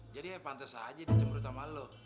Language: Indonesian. jadi ya pantas aja dicembrut sama lo